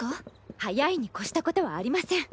早いに越したことはありません。